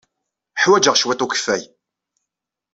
Ḥwajeɣ cwiṭ n ukeffay.